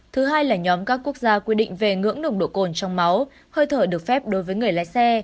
thứ hai là nhóm các quốc gia quy định về ngưỡng nồng độ cồn trong máu hơi thở được phép đối với người lái xe